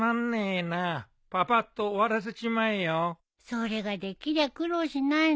それができりゃ苦労しないの。